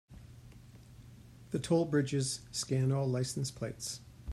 The toll bridges scan all license plates.